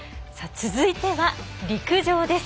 続いては陸上です。